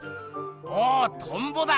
おおトンボだ！